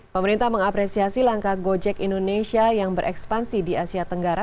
pemerintah mengapresiasi langkah gojek indonesia yang berekspansi di asia tenggara